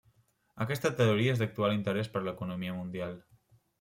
Aquesta teoria és d'actual interès per a l'economia mundial.